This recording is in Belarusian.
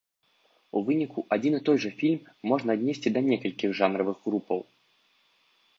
У выніку адзін і той жа фільм можна аднесці да некалькіх жанравых групаў.